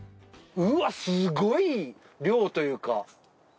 うわすごい量というか。